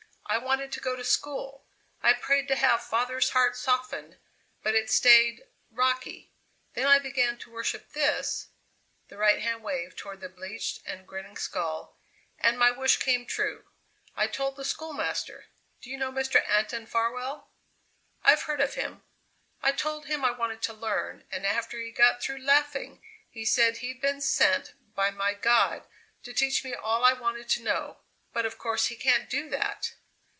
I wanted to go to school. I prayed to have father's heart softened, but it stayed rocky. Then I began to worship this" the right hand waved toward the bleached and grinning skull "and my wish came true. I told the schoolmaster. Do you know Mr. Anton Farwell?" "I've heard of him." "I told him I wanted to learn, and after he got through laughing he said he'd been sent by my god to teach me all I wanted to know; but of course he can't do that!"